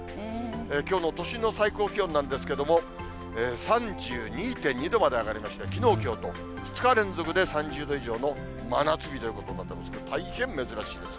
きょうの都心の最高気温なんですけれども、３２．２度まで上がりまして、きのう、きょうと２日連続で３０度以上の真夏日ということになったんですけれども、大変珍しいです。